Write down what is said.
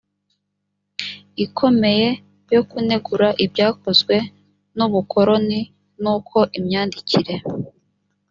ikomeye yo kunegura ibyakozwe n ubukoroni n uko imyandikire